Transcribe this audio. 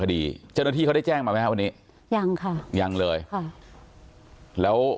คดีเจ้าหน้าที่เขาได้แจ้งมาไหมครับวันนี้ยังค่ะยังเลยค่ะแล้ว